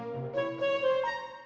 terima kasih beres